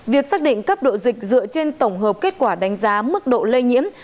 việc xác định cấp độ dịch dựa trên tổng hợp kết quả đánh giá mức độ lây nhiễm